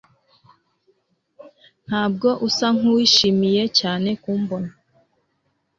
Ntabwo usa nkuwishimiye cyane kumbona